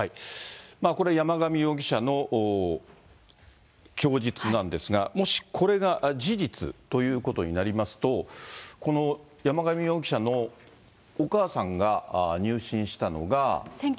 これ、山上容疑者の供述なんですが、もしこれが事実ということになりますと、この山上容疑者のお母さんが入信したのが。